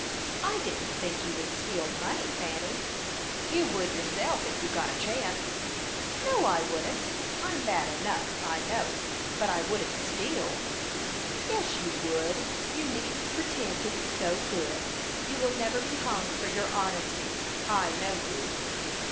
"I didn't think you would steal money, Fanny." "You would yourself, if you got a chance." "No, I wouldn't; I'm bad enough, I know, but I wouldn't steal." "Yes, you would! You needn't pretend to be so good. You will never be hung for your honesty. I know you."